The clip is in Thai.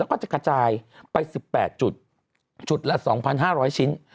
แล้วก็จะกระจายไป๑๘จุดจุดละ๒๕๐๐ชิ้น